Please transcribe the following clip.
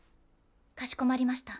かしこまりました。